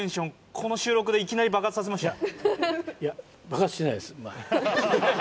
この収録でいきなり爆発させました？